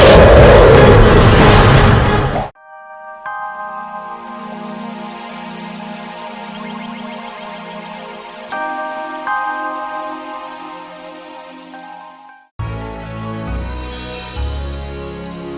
kembali ke dunia